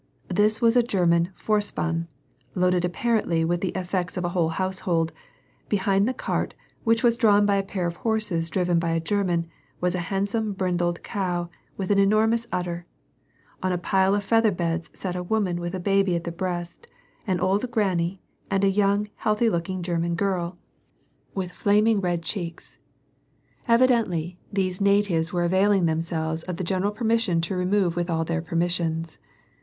This was a German Vorspann, loiuled apparently with the effeots of a whole household; behind the cart, which was drawn by a pair of horses driven by a German, was a handsome brindled cow, with an enormous udder. On a pile of feather beds sat a woman with a baby at the breast, an old granny, and a young healthy looking German girl, with flaming red * Ru8B : the sweet ham I WAR AND PEACE, 165 cheeks. Evidently, these natives were availing themselves of the general permission to remove with all their possessions.